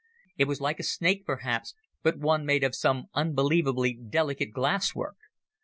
It was like a snake perhaps, but one made of some unbelievably delicate glasswork.